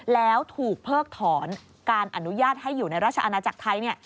แล้วถูกเพิกถอนการอนุญาตให้อยู่ในราชอาณาจักรไทย